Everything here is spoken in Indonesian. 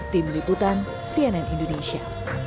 tim liputan cnn indonesia